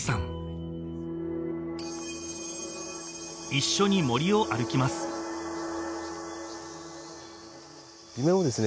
一緒に森を歩きます地面をですね